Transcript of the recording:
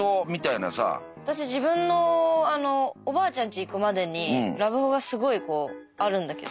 私自分のおばあちゃんち行くまでにラブホがすごいこうあるんだけど。